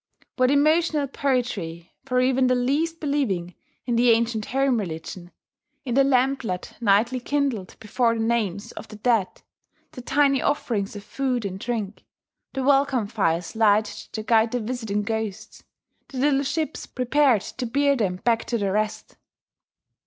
What emotional poetry, for even the least believing, in the ancient home religion, in the lamplet nightly kindled before the names of the dead, the tiny offerings of food and drink, the welcome fires lighted to guide the visiting ghosts, the little ships prepared to bear them back to their rest!